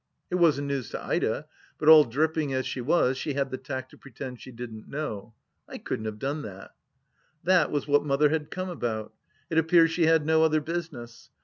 It wasn't news to Ida, but all drip ping as she was, she had the tact to pretend she didn't know. I couldn't have done that. That was what Mother had come about ; it appears she • had no other business.